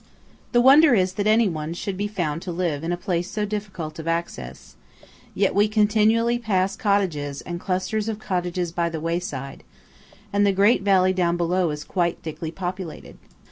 The wonder is that anyone should be found to live in a place so difficult of access; yet we continually pass cottages, and clusters of cottages by the wayside; and the great valley down below is quite thickly populated.